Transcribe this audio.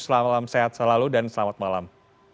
selamat malam sehat selalu dan selamat malam